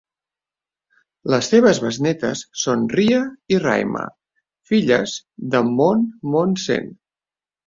Les seves besnétes son Ria i Raima, filles de Moon Moon Sen.